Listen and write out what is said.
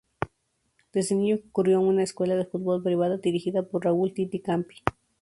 Desde niño concurrió a una escuela de fútbol privada, dirigida por Raúl "Tití" Campi.